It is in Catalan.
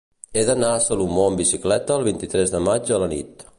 He d'anar a Salomó amb bicicleta el vint-i-tres de maig a la nit.